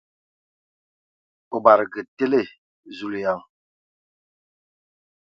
O badǝge tele ! Zulǝyaŋ!